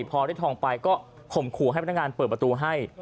พอได้ทองไปก็ข่มขู่ให้พนักงานเปิดประตูให้